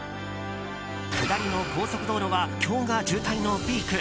下りの高速道路は今日が渋滞のピーク。